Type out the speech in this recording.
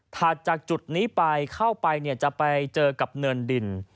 ถัดจากจุดนี้ไปเข้าไปจะไปเจอกับเนินดิน